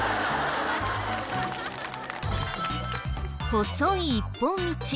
細い一本道。